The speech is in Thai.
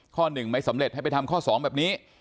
ข้อหนึ่งไม่สำเร็จให้ไปทำข้อสองแบบนี้